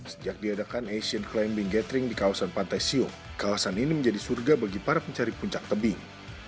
sejak diadakan asian climbing gathering di kawasan pantai siok kawasan ini menjadi surga bagi para pencari puncak tebing